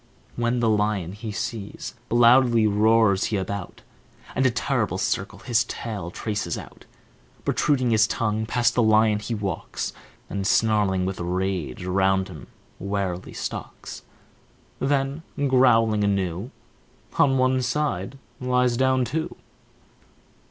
When the lion he sees, loudly roars he about, And a terrible circle his tail traces out. Protruding his tongue, past the lion he walks, And, snarling with rage, round him warily stalks Then, growling anew, On one side lies down too.